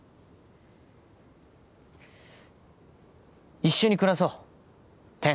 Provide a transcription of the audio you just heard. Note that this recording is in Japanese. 一緒に暮らそうてん。